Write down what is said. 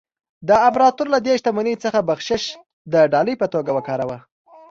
امپراتور له دې شتمنۍ څخه بخشش د ډالۍ په توګه ورکاوه.